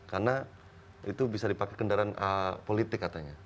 karena itu bisa dipakai kendaraan politik katanya